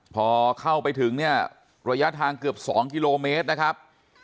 พอเข้าไปถึงเนี่ยระยะทางเกือบ๒กิโลเมตรนะครับ